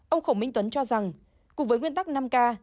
ông khổng minh tuấn cho rằng cùng với nguyên tắc năm k